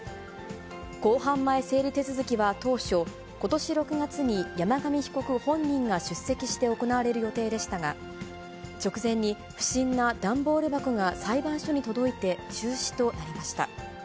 公判前整理手続きは当初、ことし６月に山上被告本人が出席して行われる予定でしたが、直前に、不審な段ボール箱が裁判所に届いて、中止となりました。